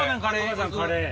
カレー。